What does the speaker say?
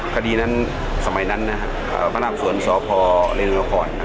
คดีนั้นสมัยนั้นพนับสวนสพเรนนุนคร